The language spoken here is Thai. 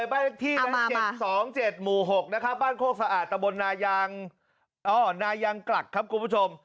บ้านที่๗๒๗หมู่๖บ้านโค้กสะอาดตะบนนายังกรักครับคุณผู้ชม